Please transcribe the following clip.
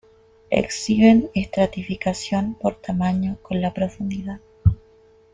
Exhiben estratificación por tamaños con la profundidad.